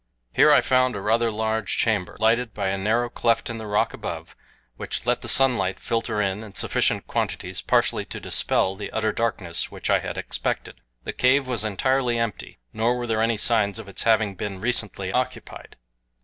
Here I found a rather large chamber, lighted by a narrow cleft in the rock above which let the sunlight filter in in sufficient quantities partially to dispel the utter darkness which I had expected. The cave was entirely empty, nor were there any signs of its having been recently occupied.